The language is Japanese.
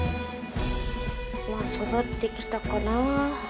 まあ育ってきたかな。